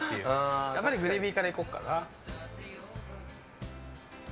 やっぱりグレービーからいこうかな。